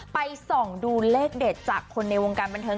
ส่องดูเลขเด็ดจากคนในวงการบันเทิง